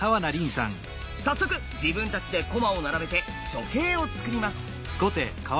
早速自分たちで駒を並べて初形を作ります。